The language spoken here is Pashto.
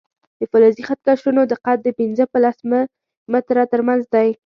د فلزي خط کشونو دقت د پنځه په لس ملي متره تر منځ دی.